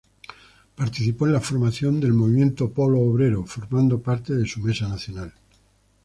Participó de la formación del movimiento Polo Obrero, formando parte de su mesa nacional.